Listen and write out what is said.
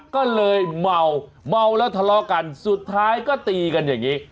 ก็เลยเมาเมาแล้วทะเลาะกันสุดท้ายก็ตีกันอย่างนี้